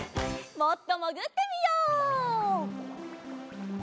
もっともぐってみよう。